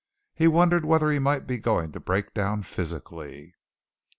He wondered whether he might be going to break down physically.